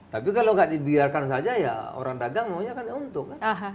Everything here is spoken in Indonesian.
tapi kalau nggak dibiarkan saja ya orang dagang maunya kan untung kan